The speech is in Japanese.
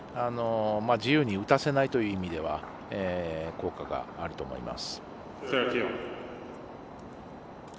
自由に打たせないという意味では効果があると思います。